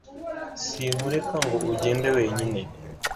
Sinkureka ngo ugende wenyine